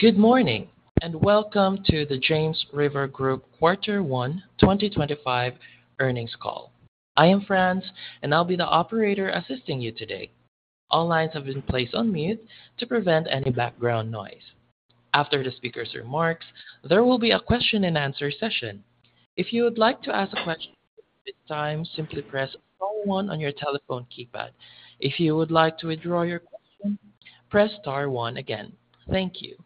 Good morning and welcome to the James River Group Quarter 1, 2025 earnings call. I am France, and I'll be the operator assisting you today. All lines have been placed on mute to prevent any background noise. After the speaker's remarks, there will be a question-and-answer session. If you would like to ask a question at this time, simply press star one on your telephone keypad. If you would like to withdraw your question, press star one again. Thank you.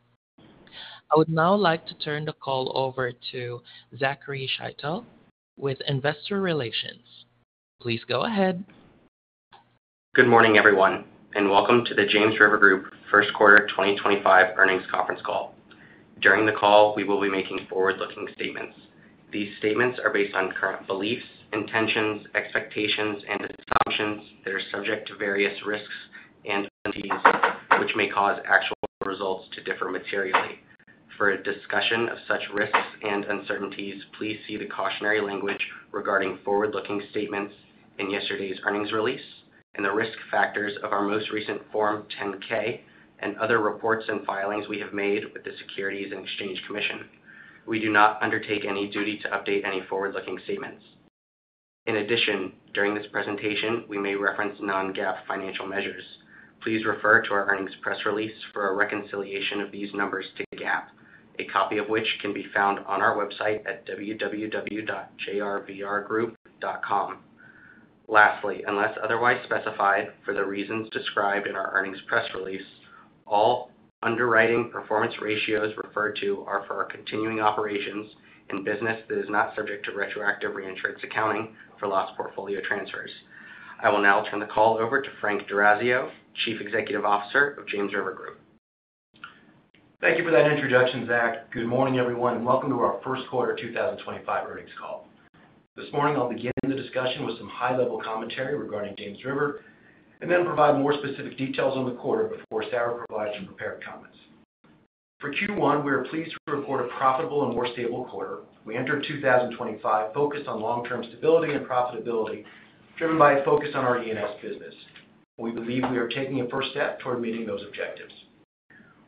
I would now like to turn the call over to Zachary Shytle with Investor Relations. Please go ahead. Good morning, everyone, and welcome to the James River Group First Quarter 2025 earnings conference call. During the call, we will be making forward-looking statements. These statements are based on current beliefs, intentions, expectations, and assumptions that are subject to various risks and uncertainties, which may cause actual results to differ materially. For discussion of such risks and uncertainties, please see the cautionary language regarding forward-looking statements in yesterday's earnings release and the risk factors of our most recent Form 10-K and other reports and filings we have made with the Securities and Exchange Commission. We do not undertake any duty to update any forward-looking statements. In addition, during this presentation, we may reference Non-GAAP financial measures. Please refer to our earnings press release for a reconciliation of these numbers to GAAP, a copy of which can be found on our website at www.jrvrgroup.com. Lastly, unless otherwise specified for the reasons described in our earnings press release, all underwriting performance ratios referred to are for our continuing operations and business that is not subject to retroactive reinsurance accounting for loss portfolio transfers. I will now turn the call over to Frank D'Orazio, Chief Executive Officer of James River Group. Thank you for that introduction, Zach. Good morning, everyone, and welcome to our First Quarter 2025 earnings call. This morning, I'll begin the discussion with some high-level commentary regarding James River and then provide more specific details on the quarter, before Sarah provides her prepared comments. For Q1, we are pleased to report a profitable and more stable quarter. We entered 2025 focused on long-term stability and profitability, driven by a focus on our E&S business. We believe we are taking a first step toward meeting those objectives.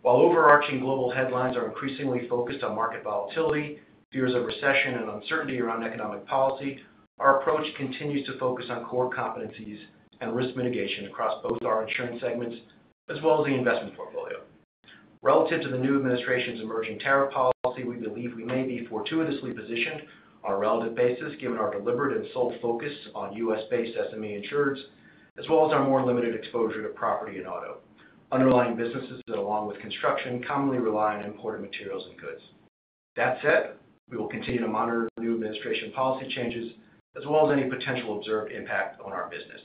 While overarching global headlines are increasingly focused on market volatility, fears of recession, and uncertainty around economic policy, our approach continues to focus on core competencies and risk mitigation across both our insurance segments as well as the investment portfolio. Relative to the new administration's emerging tariff policy, we believe we may be fortuitously positioned on a relative basis, given our deliberate and sole focus on U.S.-based SME insurers, as well as our more limited exposure to property and auto, underlying businesses that, along with construction, commonly rely on imported materials and goods. That said, we will continue to monitor new administration policy changes as well as any potential observed impact on our business.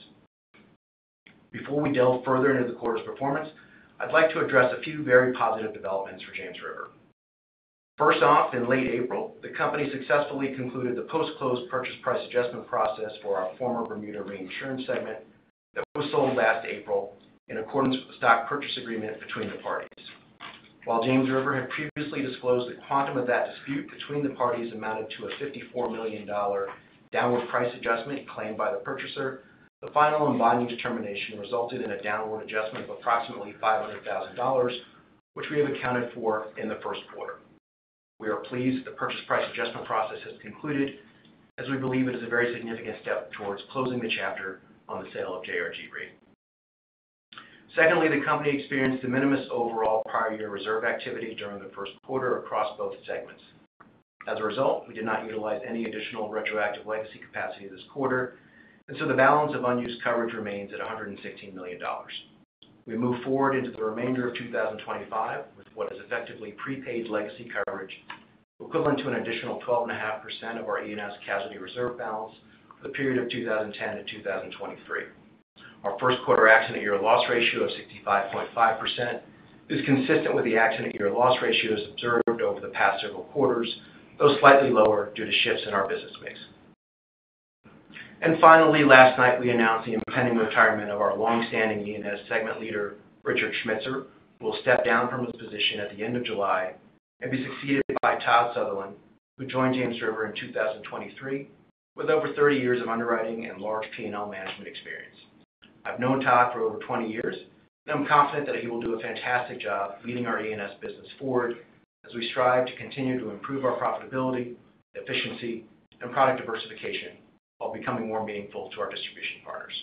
Before we delve further into the quarter's performance, I'd like to address a few very positive developments for James River. First off, in late April, the company successfully concluded the post-close purchase price adjustment process for our former Bermuda reinsurance segment that was sold last April, in accordance with the stock purchase agreement between the parties. While James River had previously disclosed the quantum of that dispute between the parties amounted to a $54 million downward price adjustment claimed by the purchaser, the final and binding determination resulted in a downward adjustment of approximately $500,000, which we have accounted for in the first quarter. We are pleased that the purchase price adjustment process has concluded, as we believe it is a very significant step towards closing the chapter on the sale of JRG Re. Secondly, the company experienced de minimis overall prior-year reserve activity during the first quarter across both segments. As a result, we did not utilize any additional retroactive legacy capacity this quarter, and so the balance of unused coverage remains at $116 million. We move forward into the remainder of 2025 with what is effectively prepaid legacy coverage, equivalent to an additional 12.5% of our E&S casualty reserve balance for the period of 2010 to 2023. Our first quarter accident-year loss ratio of 65.5% is consistent with the accident-year loss ratios observed over the past several quarters, though slightly lower due to shifts in our business mix. Finally, last night, we announced the impending retirement of our longstanding E&S segment leader, Richard Schmitzer. He will step down from his position at the end of July and be succeeded by Todd Sutherland, who joined James River in 2023 with over 30 years of underwriting and large P&L management experience. I've known Todd for over 20 years, and I'm confident that he will do a fantastic job leading our E&S business forward as we strive to continue to improve our profitability, efficiency, and product diversification while becoming more meaningful to our distribution partners.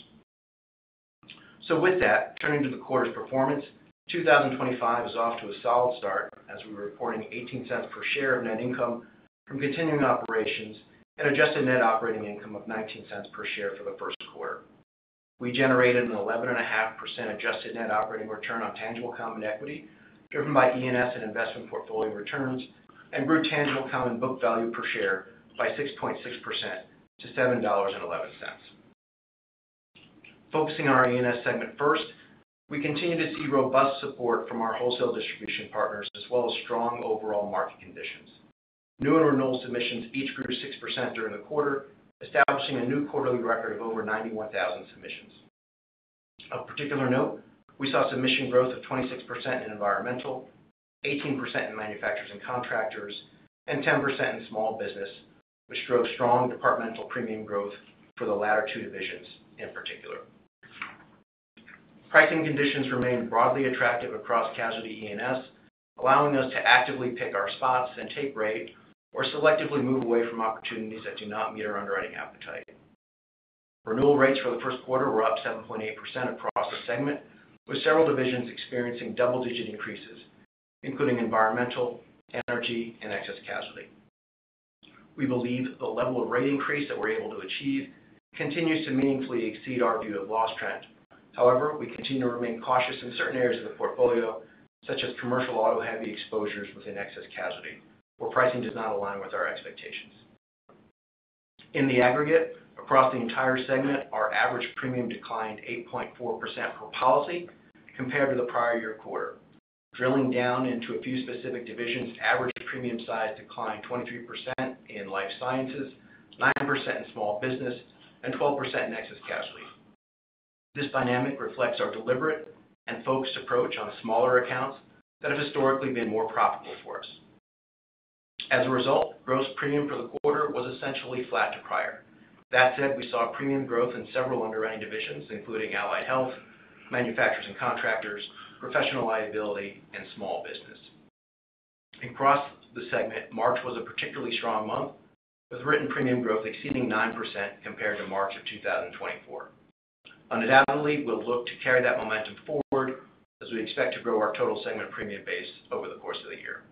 With that, turning to the quarter's performance, 2025 is off to a solid start as we were reporting $0.18 per share of net income from continuing operations and adjusted net operating income of $0.19 per share for the first quarter. We generated an 11.5% adjusted net operating return on tangible common equity, driven by E&S and investment portfolio returns, and grew tangible common book value per share by 6.6% to $7.11. Focusing on our E&S segment first, we continue to see robust support from our wholesale distribution partners as well as strong overall market conditions. New and renewal submissions each grew 6% during the quarter, establishing a new quarterly record of over 91,000 submissions. Of particular note, we saw submission growth of 26% in environmental, 18% in manufacturers and contractors, and 10% in small business, which drove strong departmental premium growth for the latter two divisions in particular. Pricing conditions remained broadly attractive across casualty E&S, allowing us to actively pick our spots and take rate or selectively move away from opportunities that do not meet our underwriting appetite. Renewal rates for the first quarter were up 7.8% across the segment, with several divisions experiencing double-digit increases, including environmental, energy, and excess casualty. We believe the level of rate increase that we're able to achieve continues to meaningfully exceed our view of loss trend. However, we continue to remain cautious in certain areas of the portfolio, such as commercial auto-heavy exposures within excess casualty, where pricing does not align with our expectations. In the aggregate, across the entire segment, our average premium declined 8.4% per policy compared to the prior year quarter. Drilling down into a few specific divisions, average premium size declined 23% in life sciences, 9% in small business, and 12% in excess casualty. This dynamic reflects our deliberate and focused approach on smaller accounts that have historically been more profitable for us. As a result, gross premium for the quarter was essentially flat to prior. That said, we saw premium growth in several underwriting divisions, including allied health, manufacturers and contractors, professional liability, and small business. Across the segment, March was a particularly strong month, with written premium growth exceeding 9% compared to March of 2024. Undoubtedly, we'll look to carry that momentum forward as we expect to grow our total segment premium base over the course of the year.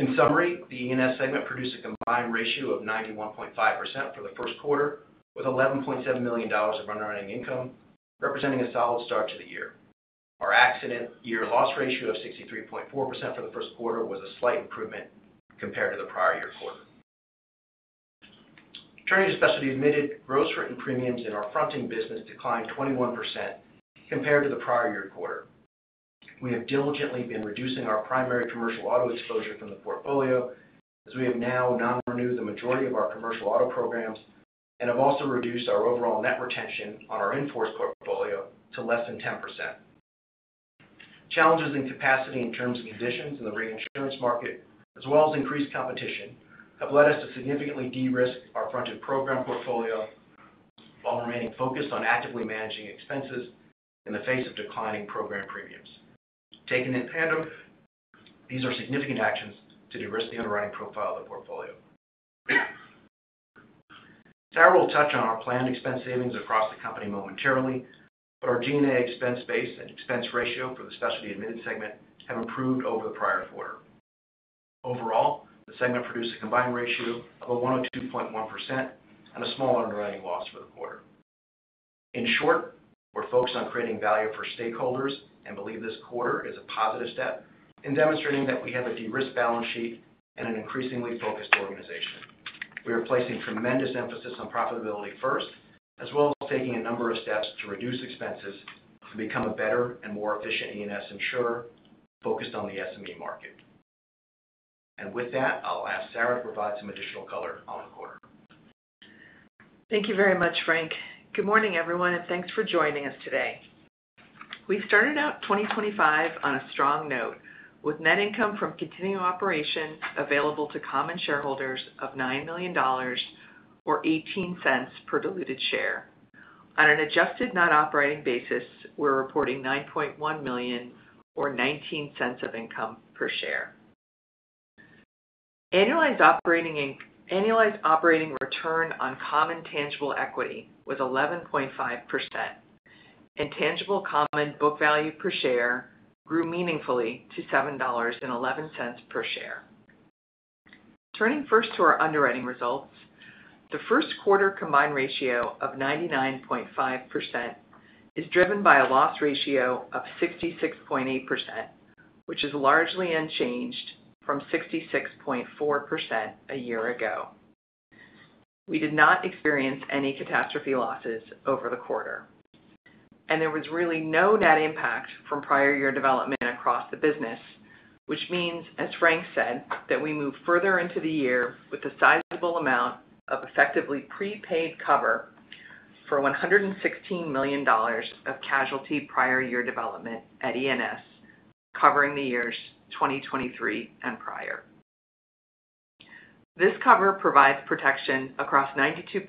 In summary, the E&S segment produced a combined ratio of 91.5% for the first quarter, with $11.7 million of underwriting income representing a solid start to the year. Our accident-year loss ratio of 63.4% for the first quarter was a slight improvement compared to the prior year quarter. Turning to specialty admitted, gross written premiums in our fronting business declined 21% compared to the prior year quarter. We have diligently been reducing our primary commercial auto exposure from the portfolio as we have now non-renewed the majority of our commercial auto programs and have also reduced our overall net retention on our enforced portfolio to less than 10%. Challenges in capacity in terms of conditions in the reinsurance market, as well as increased competition, have led us to significantly de-risk our fronted program portfolio while remaining focused on actively managing expenses in the face of declining program premiums. Taken in tandem, these are significant actions to de-risk the underwriting profile of the portfolio. Sarah will touch on our planned expense savings across the company momentarily, but our G&A expense base and expense ratio for the specialty-admitted segment have improved over the prior quarter. Overall, the segment produced a combined ratio of 102.1% and a small underwriting loss for the quarter. In short, we're focused on creating value for stakeholders and believe this quarter is a positive step in demonstrating that we have a de-risked balance sheet and an increasingly focused organization. We are placing tremendous emphasis on profitability first, as well as taking a number of steps to reduce expenses to become a better and more efficient E&S insurer focused on the SME market. With that, I'll ask Sarah to provide some additional color on the quarter. Thank you very much, Frank. Good morning, everyone, and thanks for joining us today. We started out 2025 on a strong note with net income from continuing operations available to common shareholders of $9 million or $0.18 per diluted share. On an adjusted non-operating basis, we're reporting $9.1 million or $0.19 of income per share. Annualized operating return on common tangible equity was 11.5%, and tangible common book value per share grew meaningfully to $7.11 per share. Turning first to our underwriting results, the first quarter combined ratio of 99.5% is driven by a loss ratio of 66.8%, which is largely unchanged from 66.4% a year ago. We did not experience any catastrophe losses over the quarter, and there was really no net impact from prior year development across the business, which means, as Frank said, that we moved further into the year with a sizable amount of effectively prepaid cover for $116 million of casualty prior year development at E&S, covering the years 2023 and prior. This cover provides protection across 92%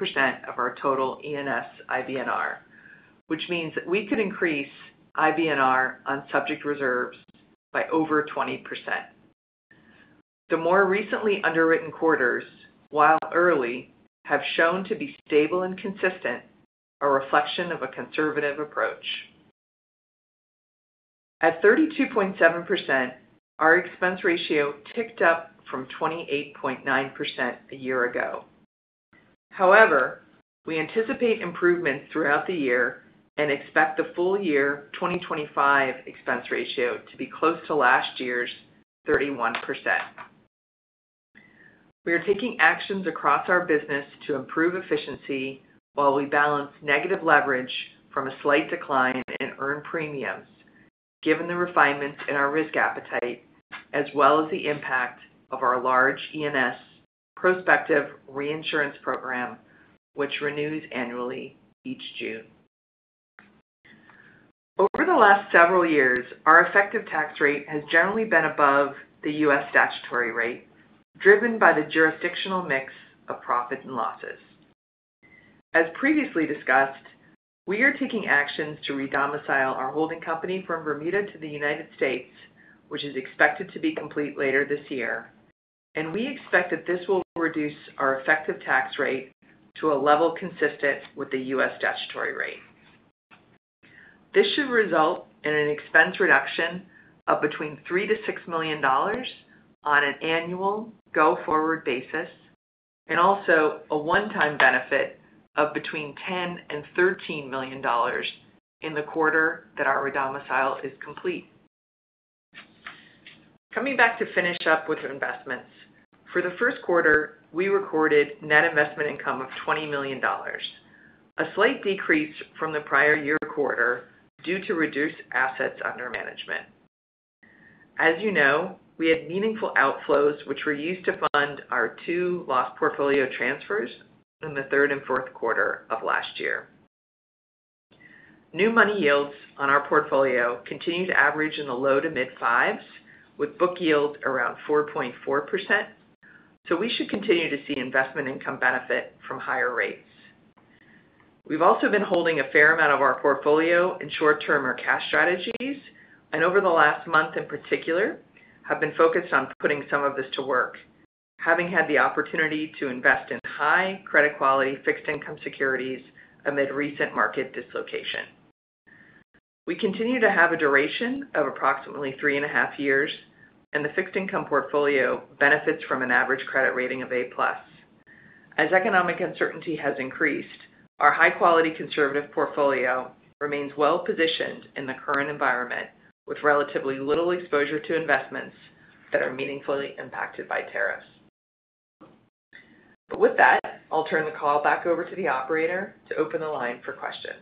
of our total E&S IBNR, which means that we could increase IBNR on subject reserves by over 20%. The more recently underwritten quarters, while early, have shown to be stable and consistent, a reflection of a conservative approach. At 32.7%, our expense ratio ticked up from 28.9% a year ago. However, we anticipate improvements throughout the year and expect the full year 2025 expense ratio to be close to last year's 31%. We are taking actions across our business to improve efficiency while we balance negative leverage from a slight decline in earned premiums, given the refinements in our risk appetite, as well as the impact of our large E&S prospective reinsurance program, which renews annually each June. Over the last several years, our effective tax rate has generally been above the U.S. statutory rate, driven by the jurisdictional mix of profit and losses. As previously discussed, we are taking actions to re-domicile our holding company from Bermuda to the United States, which is expected to be complete later this year, and we expect that this will reduce our effective tax rate to a level consistent with the U.S. statutory rate. This should result in an expense reduction of between $3 million-$6 million on an annual go-forward basis and also a one-time benefit of between $10 million-$13 million in the quarter that our redomicile is complete. Coming back to finish up with investments, for the first quarter, we recorded net investment income of $20 million, a slight decrease from the prior year quarter due to reduced assets under management. As you know, we had meaningful outflows, which were used to fund our two loss portfolio transfers in the third and fourth quarter of last year. New money yields on our portfolio continue to average in the low to mid fives, with book yield around 4.4%, so we should continue to see investment income benefit from higher rates. We've also been holding a fair amount of our portfolio in short-term or cash strategies, and over the last month in particular, have been focused on putting some of this to work, having had the opportunity to invest in high credit quality fixed income securities amid recent market dislocation. We continue to have a duration of approximately three and a half years, and the fixed income portfolio benefits from an average credit rating of A+. As economic uncertainty has increased, our high-quality conservative portfolio remains well-positioned in the current environment with relatively little exposure to investments that are meaningfully impacted by tariffs. With that, I'll turn the call back over to the operator to open the line for questions.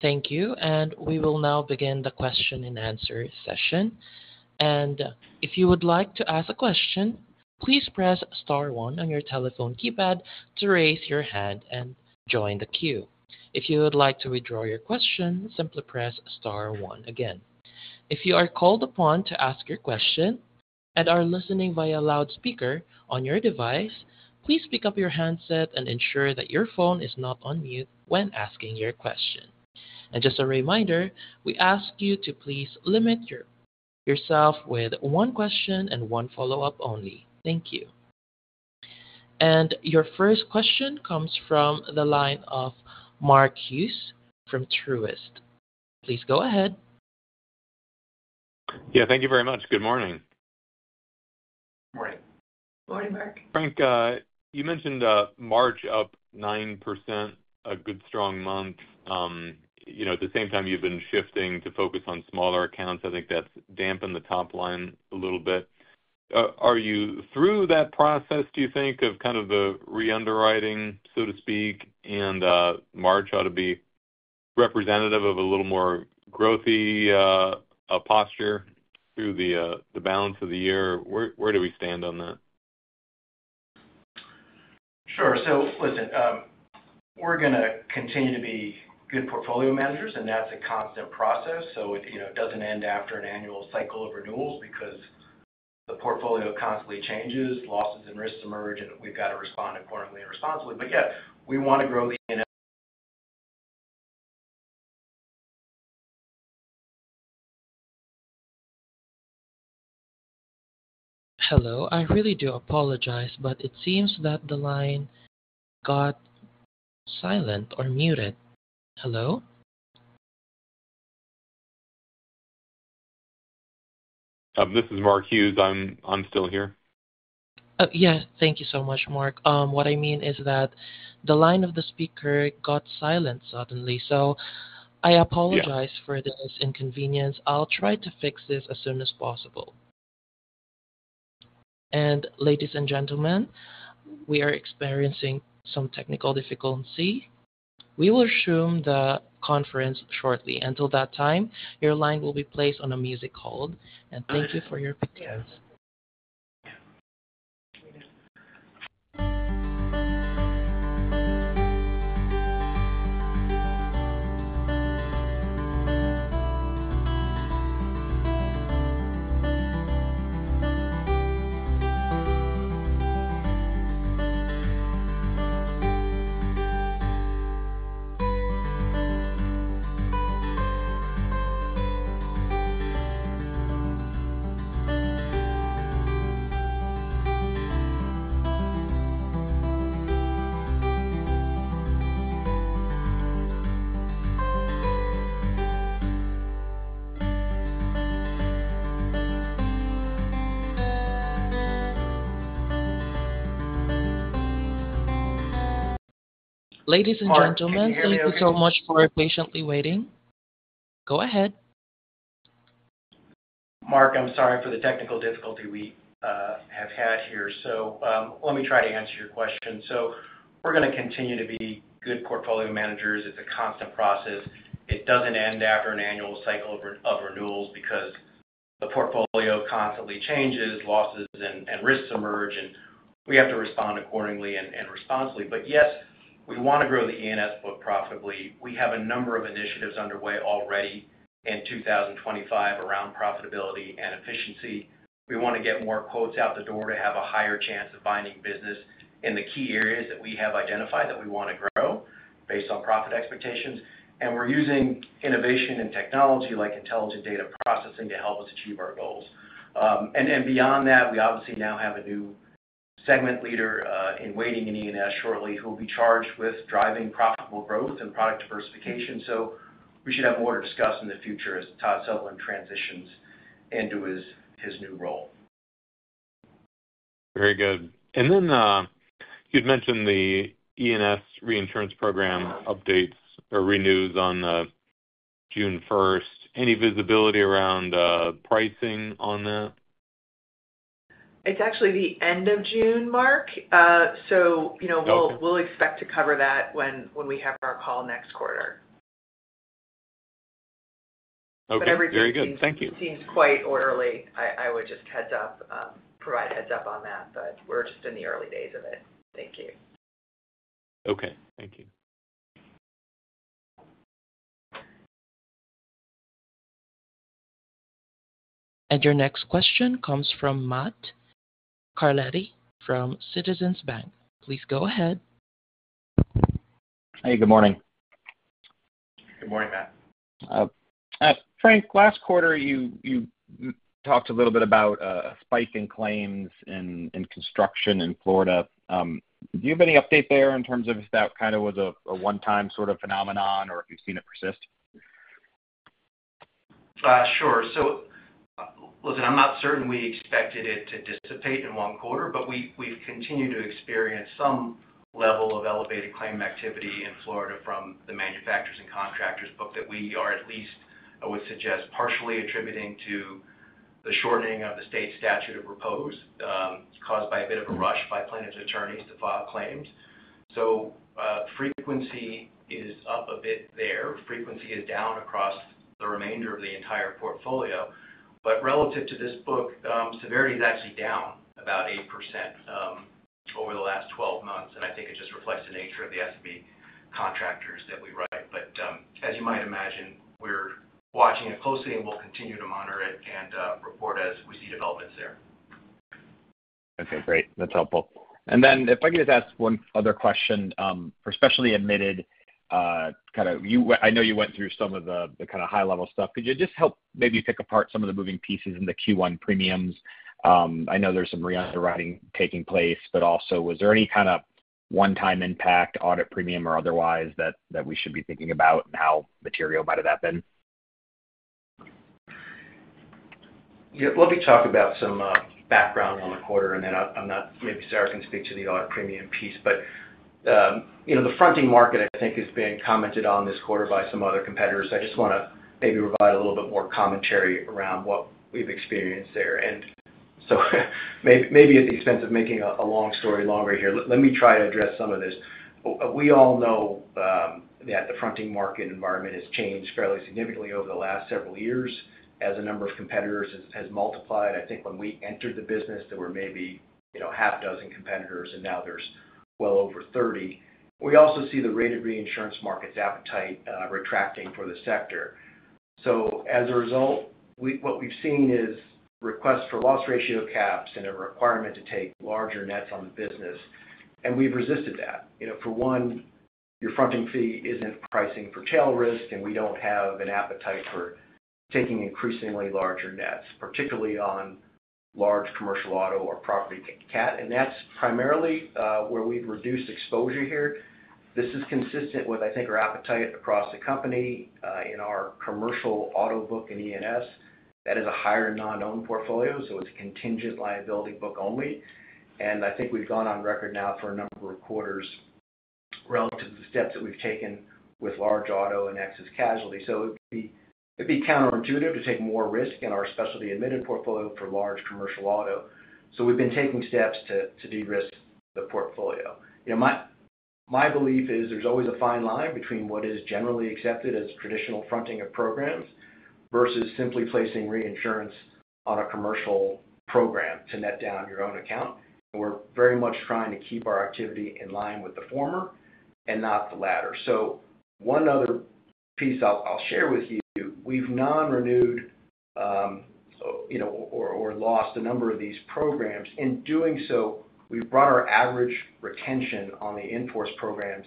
Thank you, and we will now begin the question and answer session. If you would like to ask a question, please press star one on your telephone keypad to raise your hand and join the queue. If you would like to withdraw your question, simply press star one again. If you are called upon to ask your question and are listening via loudspeaker on your device, please pick up your handset and ensure that your phone is not on mute when asking your question. Just a reminder, we ask you to please limit yourself to one question and one follow-up only. Thank you. Your first question comes from the line of Mark Hughes from Truist. Please go ahead. Yeah, thank you very much. Good morning. Morning. Morning, Mark. Frank, you mentioned March up 9%, a good strong month. At the same time, you've been shifting to focus on smaller accounts. I think that's dampened the top line a little bit. Are you through that process, do you think, of kind of the re-underwriting, so to speak, and March ought to be representative of a little more growthy posture through the balance of the year? Where do we stand on that? Sure. So listen, we're going to continue to be good portfolio managers, and that's a constant process. It doesn't end after an annual cycle of renewals because the portfolio constantly changes, losses and risks emerge, and we've got to respond accordingly and responsibly. Yeah, we want to grow the E&S. Hello. I really do apologize, but it seems that the line got silent or muted. Hello? This is Mark Hughes. I'm still here. Yeah. Thank you so much, Mark. What I mean is that the line of the speaker got silent suddenly, so I apologize for this inconvenience. I'll try to fix this as soon as possible. Ladies and gentlemen, we are experiencing some technical difficulty. We will resume the conference shortly. Until that time, your line will be placed on a music hold. Thank you for your patience. Ladies and gentlemen, thank you so much for patiently waiting. Go ahead. Mark, I'm sorry for the technical difficulty we have had here. Let me try to answer your question. We're going to continue to be good portfolio managers. It's a constant process. It doesn't end after an annual cycle of renewals because the portfolio constantly changes, losses and risks emerge, and we have to respond accordingly and responsibly. Yes, we want to grow the E&S book profitably. We have a number of initiatives underway already in 2025 around profitability and efficiency. We want to get more quotes out the door to have a higher chance of finding business in the key areas that we have identified that we want to grow based on profit expectations. We're using innovation and technology like intelligent data processing to help us achieve our goals. Beyond that, we obviously now have a new segment leader in waiting in E&S shortly who will be charged with driving profitable growth and product diversification. We should have more to discuss in the future as Todd Sutherland transitions into his new role. Very good. You'd mentioned the E&S reinsurance program updates or renews on June 1st. Any visibility around pricing on that? It's actually the end of June, Mark. So we'll expect to cover that when we have our call next quarter. Okay. Very good. Thank you. It seems quite orderly. I would just provide a heads-up on that, but we're just in the early days of it. Thank you. Okay. Thank you. Your next question comes from Matt Carletti from Citizens Bank. Please go ahead. Hey, good morning. Good morning, Matt. Frank, last quarter, you talked a little bit about spiking claims in construction in Florida. Do you have any update there in terms of if that kind of was a one-time sort of phenomenon or if you've seen it persist? Sure. So listen, I'm not certain we expected it to dissipate in one quarter, but we've continued to experience some level of elevated claim activity in Florida from the manufacturers and contractors book that we are at least, I would suggest, partially attributing to the shortening of the state statute of repose caused by a bit of a rush by plaintiffs' attorneys to file claims. Frequency is up a bit there. Frequency is down across the remainder of the entire portfolio. Relative to this book, severity is actually down about 8% over the last 12 months. I think it just reflects the nature of the S&B contractors that we write. As you might imagine, we're watching it closely, and we'll continue to monitor it and report as we see developments there. Okay. Great. That's helpful. If I could just ask one other question, for specialty admitted, I know you went through some of the high-level stuff. Could you just help maybe pick apart some of the moving pieces in the Q1 premiums? I know there's some re-underwriting taking place, but also, was there any kind of one-time impact, audit premium or otherwise, that we should be thinking about and how material might have that been? Yeah. Let me talk about some background on the quarter, and then maybe Sarah can speak to the audit premium piece. The fronting market, I think, has been commented on this quarter by some other competitors. I just want to maybe provide a little bit more commentary around what we've experienced there. Maybe at the expense of making a long story longer here, let me try to address some of this. We all know that the fronting market environment has changed fairly significantly over the last several years as a number of competitors has multiplied. I think when we entered the business, there were maybe half a dozen competitors, and now there's well over 30. We also see the rated reinsurance market's appetite retracting for the sector. As a result, what we've seen is requests for loss ratio caps and a requirement to take larger nets on the business. We've resisted that. For one, your fronting fee isn't pricing for tail risk, and we don't have an appetite for taking increasingly larger nets, particularly on large commercial auto or property cat. That's primarily where we've reduced exposure here. This is consistent with, I think, our appetite across the company in our commercial auto book and E&S that is a higher non-owned portfolio. It's a contingent liability book only. I think we've gone on record now for a number of quarters relative to the steps that we've taken with large auto and excess casualty. It would be counterintuitive to take more risk in our specialty admitted portfolio for large commercial auto. We've been taking steps to de-risk the portfolio. My belief is there's always a fine line between what is generally accepted as traditional fronting of programs versus simply placing reinsurance on a commercial program to net down your own account. We're very much trying to keep our activity in line with the former and not the latter. One other piece I'll share with you. We've non-renewed or lost a number of these programs. In doing so, we've brought our average retention on the enforced programs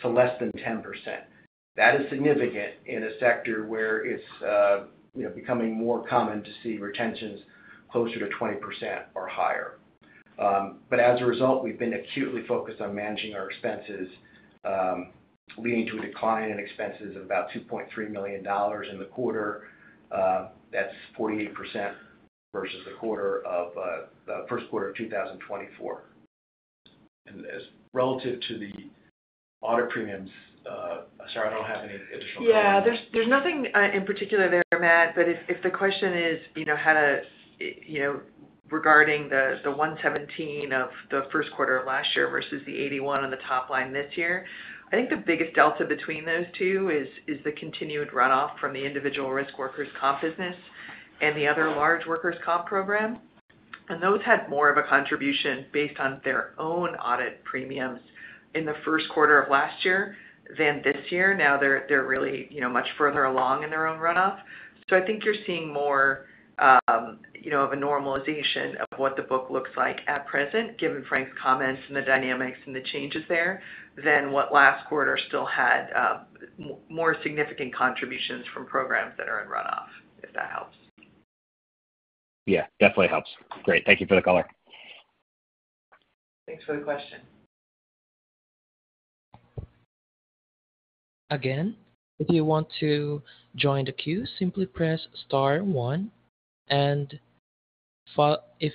to less than 10%. That is significant in a sector where it's becoming more common to see retentions closer to 20% or higher. As a result, we've been acutely focused on managing our expenses, leading to a decline in expenses of about $2.3 million in the quarter. That's 48% versus the first quarter of 2024. Relative to the audit premiums, sorry, I don't have any additional comments. Yeah. There is nothing in particular there, Matt. If the question is regarding the $117 of the first quarter of last year versus the $81 on the top line this year, I think the biggest delta between those two is the continued runoff from the individual risk workers' comp business and the other large workers' comp program. Those had more of a contribution based on their own audit premiums in the first quarter of last year than this year. Now they are really much further along in their own runoff. I think you are seeing more of a normalization of what the book looks like at present, given Frank's comments and the dynamics and the changes there, than what last quarter still had, with more significant contributions from programs that are in runoff, if that helps. Yeah. Definitely helps. Great. Thank you for the color. Thanks for the question. Again, if you want to join the queue, simply press star one. If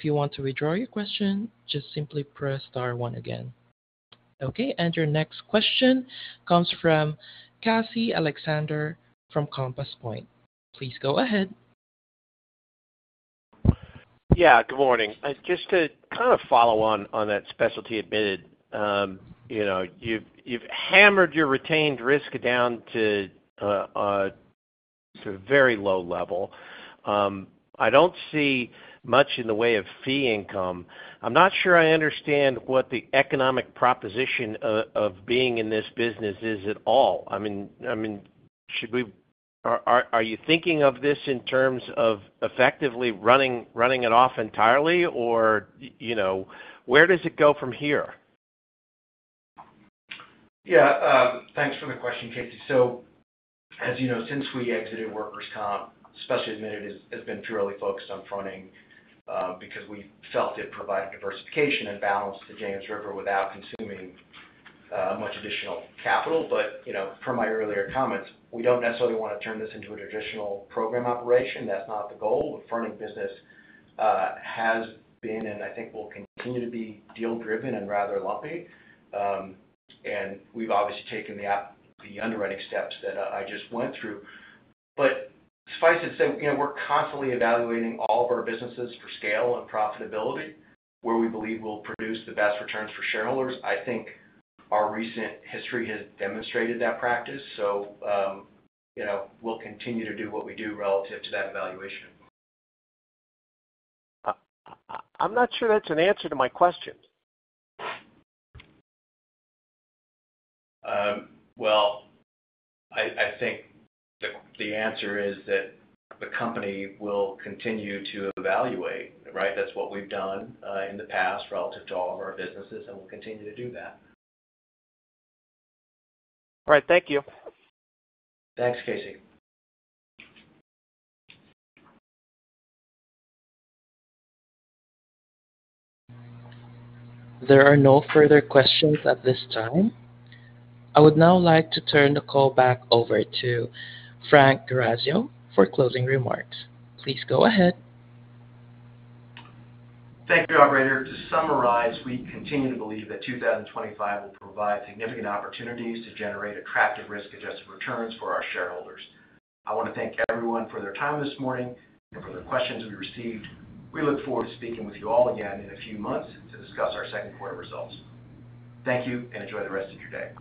you want to withdraw your question, just simply press star one again. Okay. Your next question comes from Casey Alexander from Compass Point. Please go ahead. Yeah. Good morning. Just to kind of follow on that specialty admitted, you've hammered your retained risk down to a very low level. I don't see much in the way of fee income. I'm not sure I understand what the economic proposition of being in this business is at all. I mean, are you thinking of this in terms of effectively running it off entirely, or where does it go from here? Yeah. Thanks for the question, Casey. So as you know, since we exited workers' comp, specialty admitted has been purely focused on fronting because we felt it provided diversification and balance to James River without consuming much additional capital. But from my earlier comments, we do not necessarily want to turn this into a traditional program operation. That is not the goal. The fronting business has been and I think will continue to be deal-driven and rather lumpy. And we have obviously taken the underwriting steps that I just went through. Suffice it to say, we are constantly evaluating all of our businesses for scale and profitability where we believe will produce the best returns for shareholders. I think our recent history has demonstrated that practice. We will continue to do what we do relative to that evaluation. I'm not sure that's an answer to my question. I think the answer is that the company will continue to evaluate, right? That's what we've done in the past relative to all of our businesses, and we'll continue to do that. All right. Thank you. Thanks, Casey. There are no further questions at this time. I would now like to turn the call back over to Frank D'Orazio for closing remarks. Please go ahead. Thank you, operator. To summarize, we continue to believe that 2025 will provide significant opportunities to generate attractive risk-adjusted returns for our shareholders. I want to thank everyone for their time this morning and for the questions we received. We look forward to speaking with you all again in a few months to discuss our second quarter results. Thank you and enjoy the rest of your day.